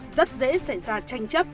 rất dễ xảy ra tranh chấp